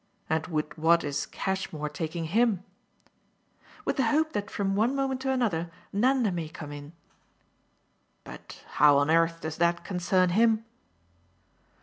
"And with what is Cashmore taking him?" "With the hope that from one moment to another Nanda may come in." "But how on earth does that concern him?"